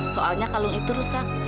soalnya kalung itu rusak